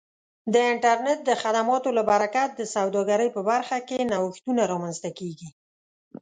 د انټرنیټ د خدماتو له برکت د سوداګرۍ په برخه کې نوښتونه رامنځته کیږي.